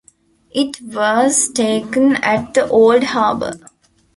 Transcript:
It was taken at the old harbor.